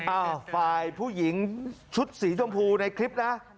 อ้าวฝ่ายผู้หญิงชุดสีชมพูในคลิปนะ